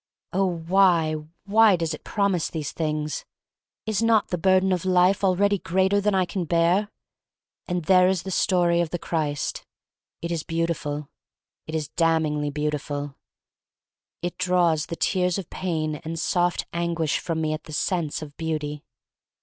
Oh, why — why does it promise these things! Is not the burden of life already greater than Lean bear? And there is the story of the Christ. It is beautiful. It is damningly beautiful. It draws the tears of pain and soft anguish from me at the sense of beauty.